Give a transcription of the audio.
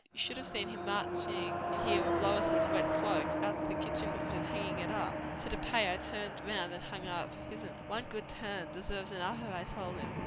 You should have seen him marching in here with Lois's wet cloak, out to the kitchen with it, and hangin' it up. So to pay, I turned round and hung up his'n. One good turn deserves another, I told him.